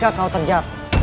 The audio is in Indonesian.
kau mau temui dia